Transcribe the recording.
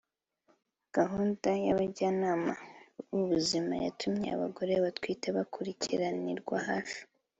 Gahunda y’abajyanama b’ubuzima yatumye abagore batwite bakurikiranirwa hafi